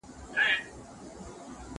بوټونه پاک کړه.